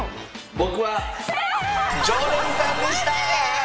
僕は常連さんでした！